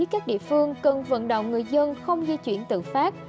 các địa phương cần vận động người dân không di chuyển tự phát